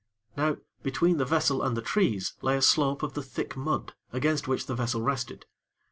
Now between the vessel and the trees, lay a slope of the thick mud, against which the vessel rested.